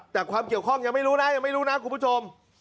แต่ความเกี่ยวข้องยังไม่รู้นะคุณผู้ชม